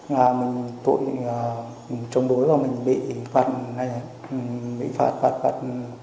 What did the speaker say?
là mình tội trống đối và mình bị phạt phạt phạt